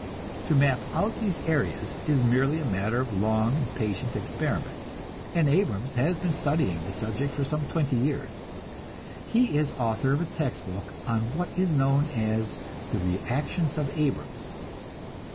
To map out these areas is merely a matter of long and patient experiment; and Abrams has been studying this subject for some twenty years he is author of a text book on what is known as the "reactions of Abrams."